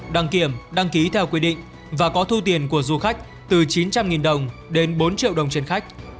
đăng kiểm đăng ký theo quy định và có thu tiền của du khách từ chín trăm linh đồng đến bốn triệu đồng trên khách